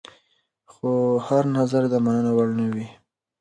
خو هر نظر د منلو وړ نه وي.